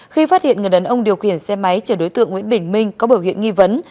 khi phát hiện người đàn ông điều khiển xe máy chở đối tượng nguyễn bình minh có biểu hiện nghi vấn